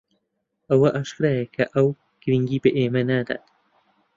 ئەوە ئاشکرایە کە ئەو گرنگی بە ئێمە نادات.